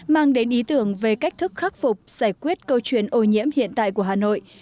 mang đến ý tưởng về cách thức khắc phục giải quyết câu chuyện ô nhiễm hiện tại của hà nội